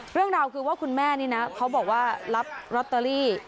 เรื่องราวคือว่าคุณแม่นี่นะเขาบอกว่ารับลอตเตอรี่